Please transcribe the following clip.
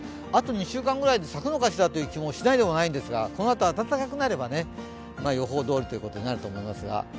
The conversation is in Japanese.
あと２週間ぐらいで咲くのかしらという気がしないでもないんですがこのあと暖かくなれば予報どおりということになるかもしれません。